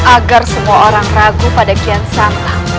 agar semua orang ragu pada kian santa